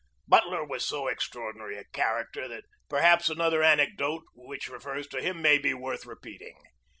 Butler was so extraordinary a character that per haps another anecdote which refers to him may be worth repeating.